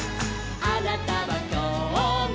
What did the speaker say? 「あなたはきょうも」